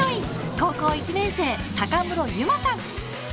高校１年生、高室侑舞さん。